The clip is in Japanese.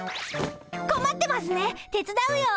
こまってますね手伝うよ。